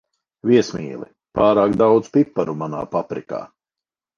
Viesmīli, pārāk daudz piparu manā paprikā.